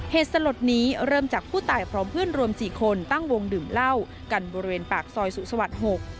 เหตุสลดนี้เริ่มจากผู้ตายพร้อมเพื่อนรวม๔คนตั้งวงดื่มเหล้ากันบริเวณปากซอยสุสวัสดิ์๖